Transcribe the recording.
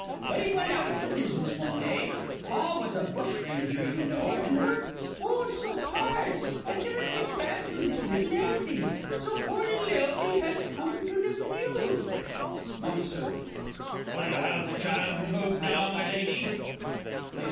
But he went out to business one day Pa was a bushranger, you know, and worked oh, so hard; and never came back to his little Elfie, so poor little Elfie has come to live with you! Monks. Will you have the child removed now, my Lady?